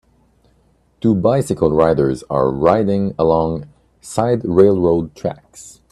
Two bicycle riders are riding along side railroad tracks.